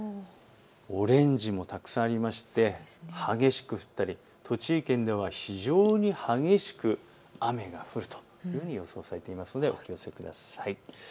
オレンジもたくさんありまして激しく降ったり、栃木県では非常に激しく雨が降るというふうに予想されていますのでお気をつけください。